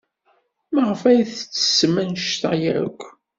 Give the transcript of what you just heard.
Maɣef ay tettessem anect-a akk?